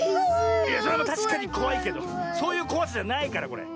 いやそれはたしかにこわいけどそういうこわさじゃないからこれ。